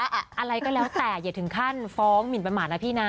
อะไรก็แล้วแต่อย่าถึงขั้นฟ้องหมินประมาทนะพี่นะ